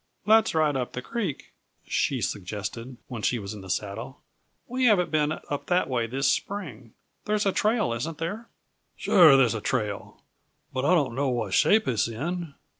"Let's ride up the creek," she suggested when she was in the saddle. "We haven't been up that way this spring. There's a trail, isn't there?" "Sure, there's a trail but I don't know what shape it's in.